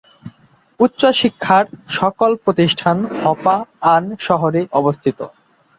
উচ্চশিক্ষার সকল প্রতিষ্ঠান হপা-আন শহরে অবস্থিত।